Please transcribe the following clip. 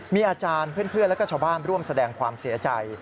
มีอาจารย์เพื่อนแล้วก็ชาวบ้านร่วมแสดงความเสียใจ